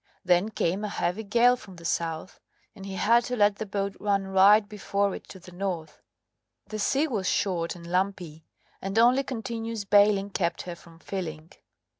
Then came a heavy gale from the south, and he had to let the boat run right before it to the north. The sea was short and lumpy, and only continuous bailing kept her from filling.